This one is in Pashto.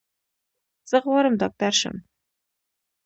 زه غواړم ډاکټر شم.